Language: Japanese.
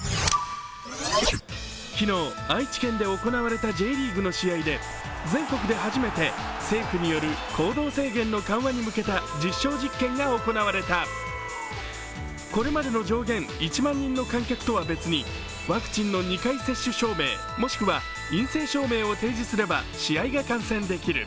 昨日、愛知県で行われたＪリーグの試合で全国で初めて、政府による行動制限の緩和に向けた実証実験が行われた、これまでの上限１万人の観客とは別にワクチンの２回接種証明、もしくは陰性証明を提示すれば試合が観戦できる。